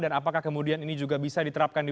dan apakah kemudian ini juga bisa diterapkan di